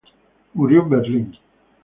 Murió en Berlín.